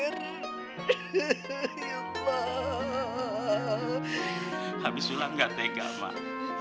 tapi sulam gak tega mak